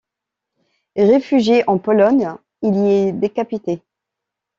Réfugié en Pologne, il y est décapité.